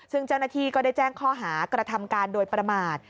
ซึ่งเจ้าหน้าที่ก็ได้แจ้งข้อหากระทำการโดยประมาท